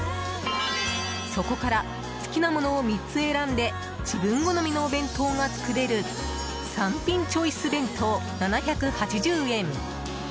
そこから好きな物を３つ選んで自分好みのお弁当が作れる３品チョイス弁当、７８０円。